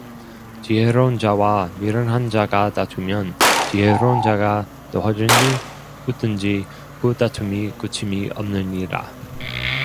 지혜로운 자와 미련한 자가 다투면 지혜로운 자가 노하든지 웃든지 그 다툼이 그침이 없느니라